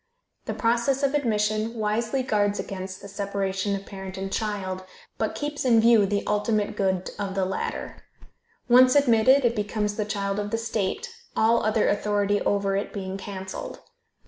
The process of admission wisely guards against the separation of parent and child, but keeps in view the ultimate good of the latter. Once admitted it becomes the child of the state, all other authority over it being canceled.